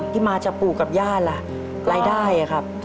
ที่มาจากปู่กับย่าล่ะรายได้ครับ